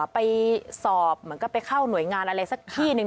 ไปสอบเหมือนกับไปเข้าหน่วยงานอะไรสักที่หนึ่ง